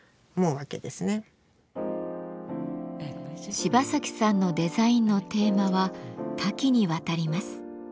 芝崎さんのデザインのテーマは多岐にわたります。